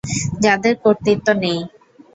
যাদের কর্তৃত্ব নেই।